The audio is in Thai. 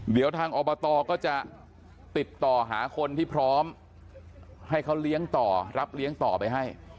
เดี๋ยวทางอบตก็จะติดต่อหาคนที่พร้อมให้เขาเลี้ยงต่อรับเลี้ยงต่อไปให้